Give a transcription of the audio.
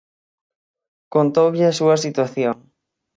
Contoulle a súa situación.